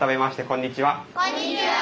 こんにちは。